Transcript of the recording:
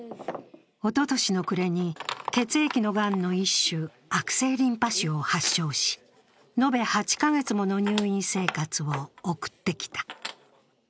おととしの暮れに血液のがんの一種、悪性リンパ腫を発症し延べ８カ月もの入院生活を送ってきた。